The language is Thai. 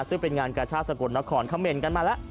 ซึ่งเป็นงานกระชาสะกดนครเขาเหม็นกันมาแล้ว